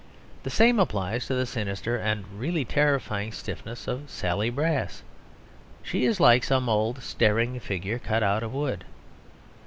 The same applies to the sinister and really terrifying stiffness of Sally Brass. She is like some old staring figure cut out of wood.